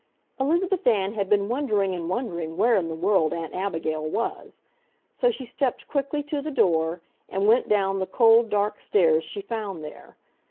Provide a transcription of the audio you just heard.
Elizabeth Ann had been wondering and wondering where in the world Aunt Abigail was. So she stepped quickly to the door, and went dawn the cold dark stairs she found there.